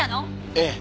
ええ。